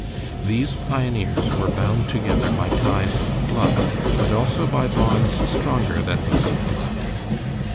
These pioneers were bound together by ties of blood, but also by bonds stronger than those of blood.